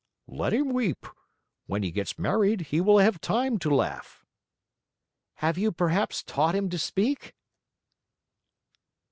"Let him weep. When he gets married, he will have time to laugh." "Have you perhaps taught him to speak?"